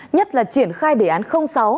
nhất là triển khai đề án sáu